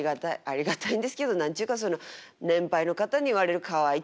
ありがたいんですけど何ちゅうかその年配の方に言われる「かわいい」